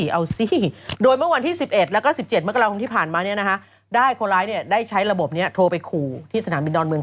เอาสิโดยเมื่อวันที่๑๑แล้วก็๑๗มกราคมที่ผ่านมาได้คนร้ายได้ใช้ระบบนี้โทรไปขู่ที่สนามบินดอนเมือง